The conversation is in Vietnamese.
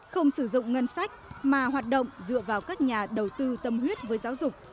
không sử dụng ngân sách mà hoạt động dựa vào các nhà đầu tư tâm huyết với giáo dục